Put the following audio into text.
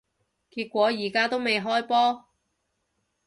結果而家都未開波